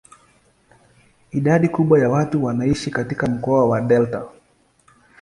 Idadi kubwa ya watu wanaishi katika mkoa wa delta.